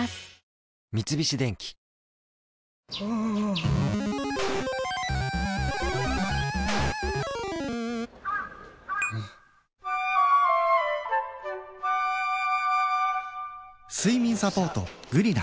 三菱電機睡眠サポート「グリナ」